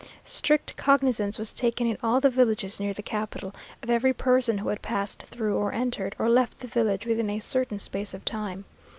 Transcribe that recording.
Strict cognizance was taken in all the villages near the capital, of every person who had passed through, or entered, or left the village within a certain space of time.